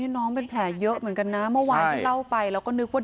น้องเป็นแผลเยอะเหมือนกันนะเมื่อวานที่เล่าไปเราก็นึกว่า